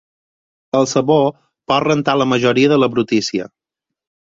El sabó pot rentar la majoria de la brutícia.